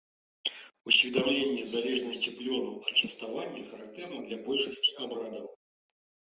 Усведамленне залежнасці плёну ад частавання характэрна для большасці абрадаў.